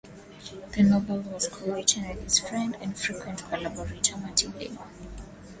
The novel was co-written with his friend and frequent collaborator Martin Day.